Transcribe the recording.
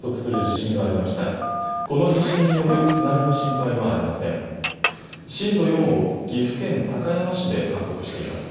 震度４を岐阜県高山市で観測しています。